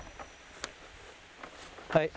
はい。